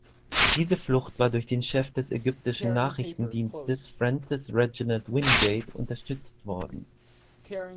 Diese Flucht war durch den Chef des ägyptischen Nachrichtendienstes Francis Reginald Wingate unterstützt worden.